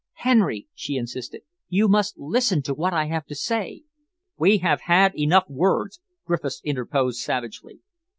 "Henry," she insisted, "you must listen to what I have to say." "We have had enough words," Griffiths interposed savagely.